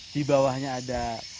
di bawahnya ada